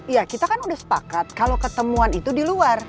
iya kita kan udah sepakat kalau ketemuan itu di luar